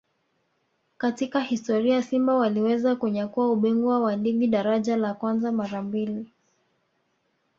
katika historia Simba waliweza kunyakua ubingwa wa ligi daraja la kwanza mara mbili